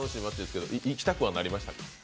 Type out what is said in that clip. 行きたくはなりましたか？